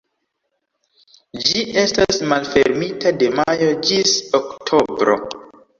Ĝi estas malfermita de majo ĝis oktobro.